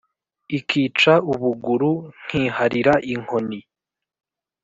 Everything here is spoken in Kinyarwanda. ikica u buguru , nkiharira inkoni.